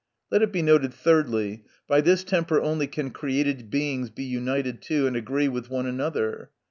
Let it be noted, thirdly, by this temper only can created Beings be united to, and agree with one another.